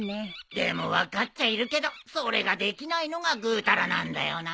でも分かっちゃいるけどそれができないのがぐうたらなんだよなあ。